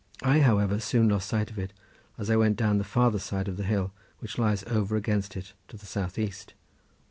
I, however, soon lost sight of it, as I went down the farther side of the hill which lies over against it to the south east.